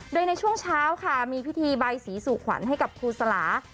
โดยในช่วงเช้าค่ะมีพิธีใบสีสู่ขวัญให้กับครูสลา